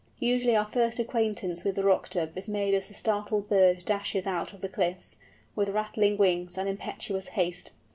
Usually our first acquaintance with the Rock Dove is made as the startled bird dashes out of the cliffs, with rattling wings and impetuous haste.